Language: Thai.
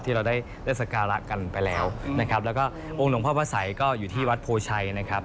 เราได้สการะกันไปแล้วนะครับแล้วก็องค์หลวงพ่อพระสัยก็อยู่ที่วัดโพชัยนะครับ